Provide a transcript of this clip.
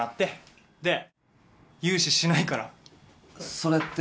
それって。